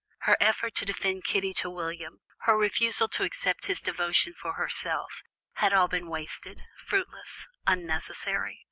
Her effort to defend Kitty to William, her refusal to accept his devotion for herself all had been wasted, fruitless, unnecessary!